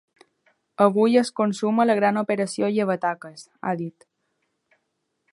Avui es consuma la gran operació llevataques, ha dit.